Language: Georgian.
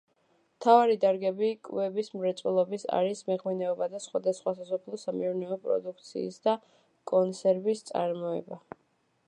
მთავარი დარგები კვების მრეწველობის არის მეღვინეობა და სხვადასხვა სასოფლო-სამეურნეო პროდუქციის და კონსერვის წარმოება.